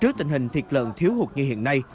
trước tình hình thịt lợn thiếu hụt như hiện nay